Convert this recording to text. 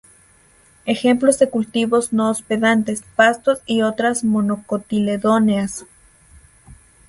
Ejemplos de cultivos no hospedantes: pastos y otras monocotiledóneas.